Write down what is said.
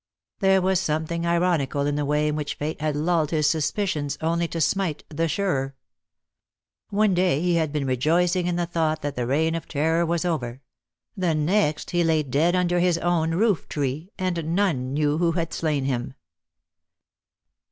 There was something ironical in the way in which Fate had lulled his suspicions only to smite the surer. One day he had been rejoicing in the thought that the reign of terror was over; the next he lay dead under his own roof tree, and none knew who had slain him.